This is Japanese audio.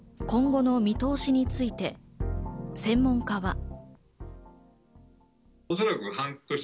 今後の見通しについて専門家は。